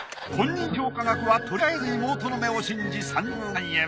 本人評価額はとりあえず妹の目を信じ３０万円。